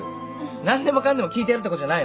何でもかんでも聞いてやるってことじゃないの。